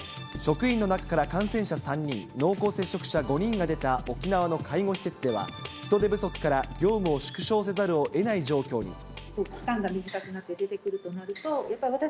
職員の中から感染者３人、濃厚接触者５人が出た沖縄の介護施設では、人手不足から、業務を縮小せざるをえない状況に。